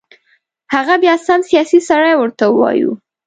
هغه بیا سم سیاسي سړی ورته ووایو.